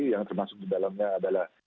yang termasuk di dalamnya adalah